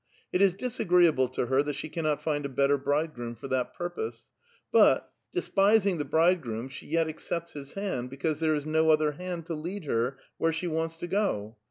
It is disagreeable to hvr thai she cannot find a better bridegroom for that purpose. Hut, despising the britlegroom, she yet accepts his hand be cause tiiore is no other hand to lead her where she wants to go.